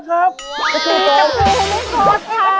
เฮอรี่โครตค่ะ